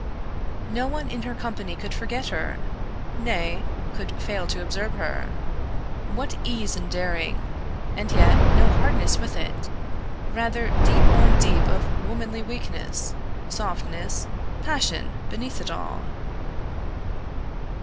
No one in her company could forget her nay, could fail to observe her. What ease and daring, and yet no hardness with it rather deep on deep of womanly weakness, softness, passion, beneath it all!